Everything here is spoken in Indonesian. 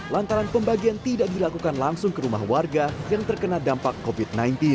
lantaran pembagian tidak dilakukan langsung ke rumah warga yang terkena dampak covid sembilan belas